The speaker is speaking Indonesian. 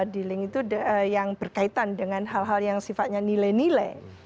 dealing itu yang berkaitan dengan hal hal yang sifatnya nilai nilai